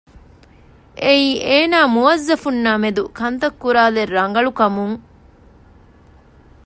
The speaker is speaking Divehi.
އެއީ އޭނާ މުއައްޒަފުންނާ މެދު ކަންތައް ކުރާލެއް ރަނގަޅު ކަމުން